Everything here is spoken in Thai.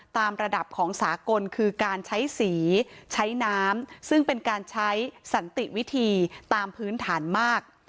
ตามระดับของสากลคือการใช้สีใช้น้ำซึ่งเป็นการใช้สันติวิธีตามพื้นฐานมาก